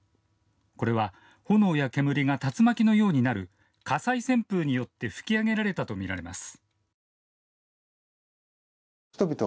これは、炎や煙が竜巻のようになる火災旋風によって吹き上げられたとみられます。